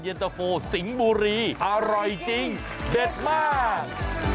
ตะโฟสิงห์บุรีอร่อยจริงเด็ดมาก